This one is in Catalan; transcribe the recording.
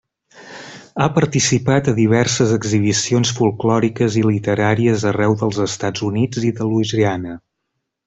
Ha participat a diverses exhibicions folklòriques i literàries arreu dels Estats Units i de Louisiana.